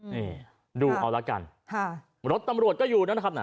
นี่ดูเอาละกันค่ะรถตำรวจก็อยู่นั่นนะครับ